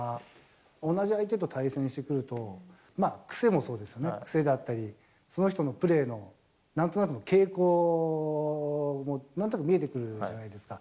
同じ相手と対戦してくると、癖もそうですね、癖だったり、その人のプレーの、なんとなくの傾向も、なんとなく見えてくるじゃないですか。